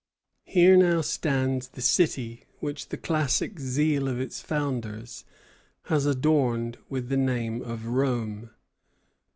Here now stands the city which the classic zeal of its founders has adorned with the name of Rome.